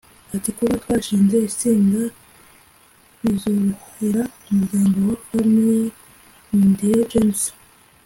Ati”Kuba twashinze itsinda bizorohera umuryango wa Famille Nkundiye James